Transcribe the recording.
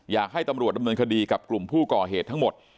อยากให้ตำรวจดำเนินคดีกับกลุ่มผู้ก่อเหตุทั้งหมด